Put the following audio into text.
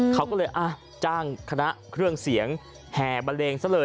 เขาก็เลยจ้างคณะเครื่องเสียงแห่บันเลงซะเลย